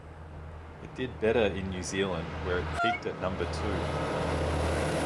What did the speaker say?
It did better in New Zealand, where it peaked at number two.